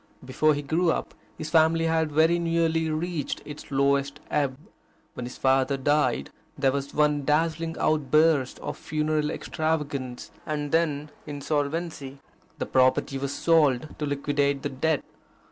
Before he grew up, his family had very nearly reached its lowest ebb. When his father died, there was one dazzling outburst of funeral extravagance, and then insolvency. The property was sold to liquidate the debt.